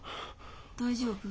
大丈夫？